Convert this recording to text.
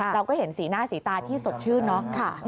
เราก็เห็นสีหน้าสีตาที่สดชื่นเนาะ